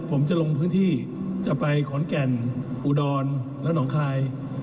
ผมจะลงพื้นที่จะไปขอนแก่นอุดรและหนองคาย